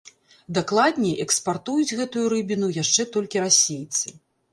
Дакладней, экспартуюць гэтую рыбіну яшчэ толькі расейцы.